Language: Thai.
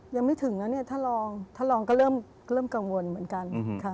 ยังไม่ถึงนะท่านรองก็เริ่มกังวลเหมือนกัน